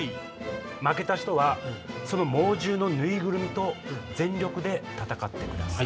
負けた人はその猛獣のぬいぐるみと全力で闘ってください。